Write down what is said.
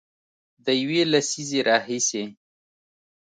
د یوې لسیزې راهیسې